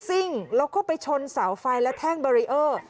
ซิ่งแล้วก็ไปชนเสาไฟและแท่งบารีเออร์